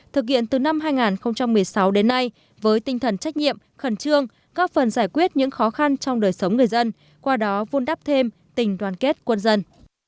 thực hiện từ năm hai nghìn một mươi sáu đến nay với tinh thần trách nhiệm khẩn trương góp phần giải quyết những khó khăn trong đời sống người dân qua đó vun đắp thêm tình đoàn kết quân dân